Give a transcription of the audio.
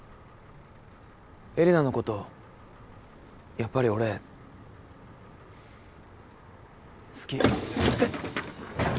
エレナのことやっぱり俺好き。